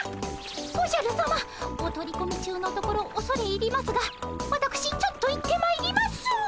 おじゃるさまお取り込み中のところおそれ入りますがわたくしちょっと行ってまいります。